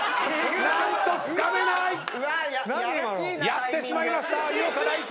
やってしまいました有岡大貴！